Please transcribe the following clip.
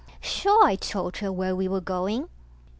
Sure, I told her where we were going.